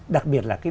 đặc biệt là cái